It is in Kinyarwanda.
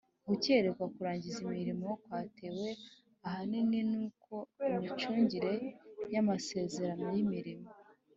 Gukererwa kurangiza imirimo kwatewe ahanini n uko imicungire y amasezerano y imirimo